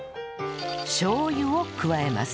しょう油を加えます